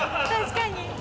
確かに。